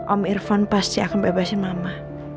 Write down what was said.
om irfan pasti akan bebasin mama